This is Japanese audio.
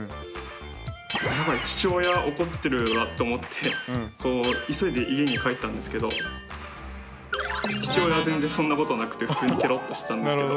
あやばい父親怒ってるわと思って急いで家に帰ったんですけど父親は全然そんなことなくて普通にけろっとしてたんですけど。